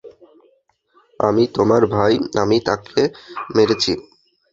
আমি, তোমার ভাই, আমি তাকে মেরেছি।